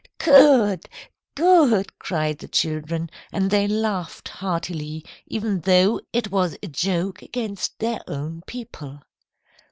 "Good! Good!" cried the children, and they laughed heartily, even though it was a joke against their own people.